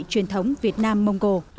truyền thống việt nam mông cổ